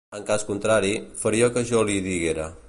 En cas contrari, faria el que jo li diguera.